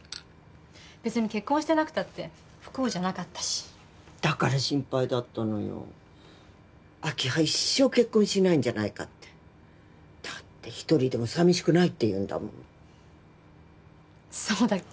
別に結婚してなくたって不幸じゃなかったしだから心配だったのよ明葉一生結婚しないんじゃないかってだって一人でも寂しくないって言うんだもんそうだっけ？